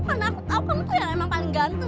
karena aku tau kamu tuh yang emang paling ganteng